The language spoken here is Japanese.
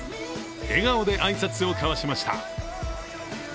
笑顔で挨拶を交わしました。